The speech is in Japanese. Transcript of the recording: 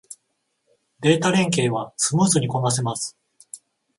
データ連携はスムーズにこなせます